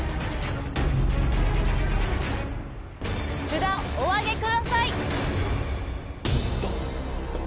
札をお挙げください。